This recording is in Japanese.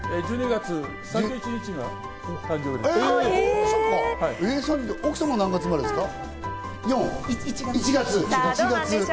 １２月３１日が誕生日です。